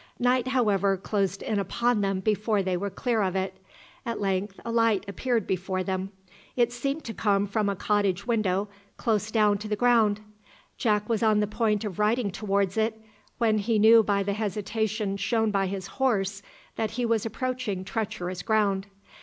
Night however closed in upon them before they were clear of it. At length a light appeared before them. It seemed to come from a cottage window close down to the ground. Jack was on the point of riding towards it, when he knew by the hesitation shown by his horse that he was approaching treacherous ground.